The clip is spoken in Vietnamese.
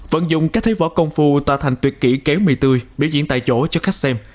phận dụng cách thế võ công phu tạo thành tuyệt kỹ kéo mì tươi biểu diễn tại chỗ cho khách xem